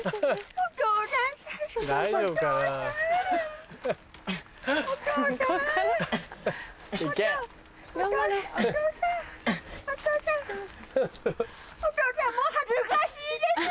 お父さんもう恥ずかしいですよ！